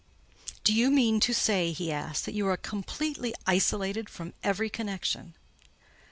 "Do you mean to say," he asked, "that you are completely isolated from every connection?"